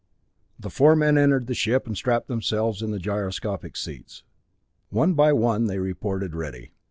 The four men entered the ship and strapped themselves in the gyroscopic seats. One by one they reported ready.